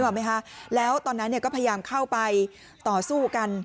ไหมคะแล้วตอนนั้นเนี่ยก็พยายามเข้าไปต่อสู้กัน